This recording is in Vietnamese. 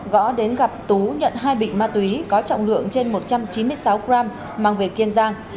gõ đến gặp tú nhận hai bịnh ma túy có trọng lượng trên một trăm chín mươi sáu g mang về kiên giang